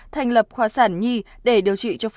thành lập khoa sản nhi